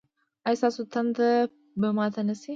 ایا ستاسو تنده به ماته نه شي؟